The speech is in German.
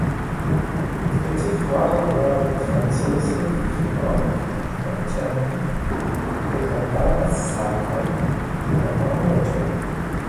Dritte Fahrer waren der Franzose Franck Montagny und der Japaner Sakon Yamamoto.